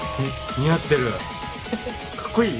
似合ってるカッコいい？